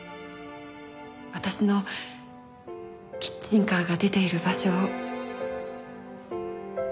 私のキッチンカーが出ている場所を。